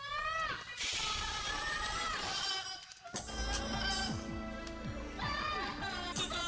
orang orang ada bu